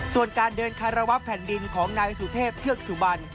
ส่วนการเดินคารวะแผ่นดินของนายสุเทพเทือกสุบัน